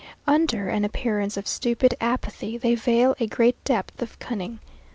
Under an appearance of stupid apathy they veil a great depth of cunning.